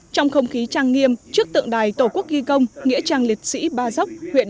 trong không khí trang nghiêm trước tượng đài tổ quốc ghi công nghĩa trang liệt sĩ ba dốc huyện